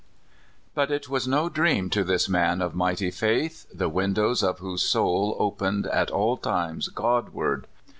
But it was no dream to this man of mighty faith, the windows of whose soul opened at all times Godward.